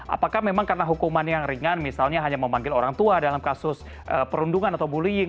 apakah memang karena hukuman yang ringan misalnya hanya memanggil orang tua dalam kasus perundungan atau bullying